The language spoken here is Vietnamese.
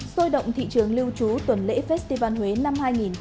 xôi động thị trường lưu trú tuần lễ festival huế năm hai nghìn hai mươi hai